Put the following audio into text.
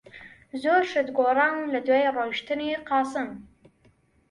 زۆر شت گۆڕاون لەدوای ڕۆیشتنی قاسم.